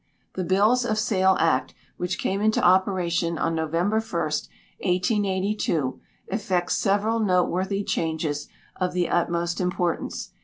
The "Bills of Sale Act," which came into operation on November 1, 1882, effects several noteworthy changes of the utmost importance.